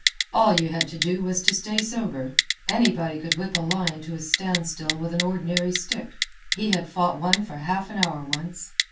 All you had to do was to stay sober. Anybody could whip a lion to a standstill with an ordinary stick. He had fought one for half an hour once.